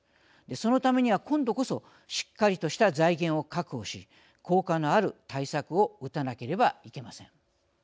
そのためには今度こそしっかりとした財源を確保し効果のある対策を打たなければいけません。